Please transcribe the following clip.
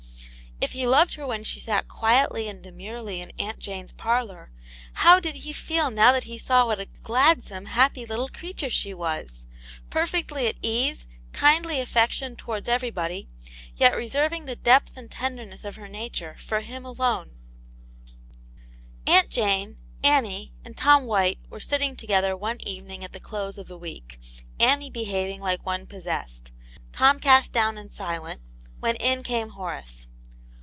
If he loved her when she sat quietly and demurely in Aunt Jane's parlour, how did he feel now that he saw what a gladsome, happy little creature she was; perfectly at ease, kindly affect ioned towards everybody, yet reserving the depth and tenderness of her nature for him alone 1 Aunt Jane, Annie, and Tom White were sitting together one evening at the close of the week, Annie behaving like one possessed, Tom cast down and silent, when in came Horace.